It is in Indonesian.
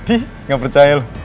ih gak percaya lo